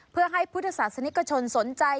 เพื่อให้พุทธศาสนิกชนสนใจ